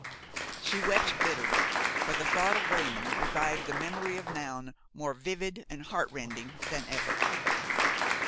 She wept bitterly; for the thought of Raymon revived the memory of Noun, more vivid and heartrending than ever.